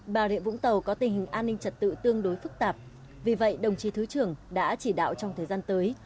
bà rịa vũng tàu có tình hình an ninh trật tự tương đối phức tạp vì vậy đồng chí thứ trưởng đã chỉ đạo trong thời gian tới